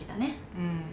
うん。